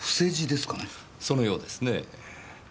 そのようですねぇ。